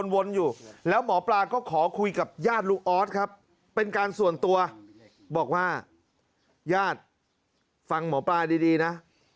หมอปลาก็ขอคุยกับญาติลุงออสครับเป็นการส่วนตัวบอกว่าญาติฟังหมอปลาดีนะ